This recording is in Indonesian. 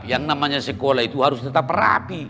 yang namanya sekolah itu harus tetap rapi